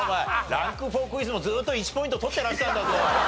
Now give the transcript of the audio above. ランク４クイズもずっと１ポイント取ってらしたんだぞ。